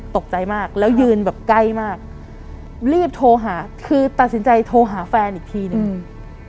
ตกใจมากแล้วยืนแบบใกล้มากรีบโทรหาคือตัดสินใจโทรหาแฟนอีกทีหนึ่งอืม